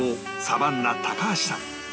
サバンナ高橋さん